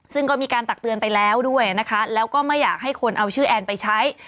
ซึ่งก็มีการตักเตือนไปแล้วด้วยนะคะแล้วก็ไม่อยากให้คนเอาชื่อแอนไปใช้